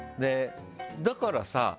だからさ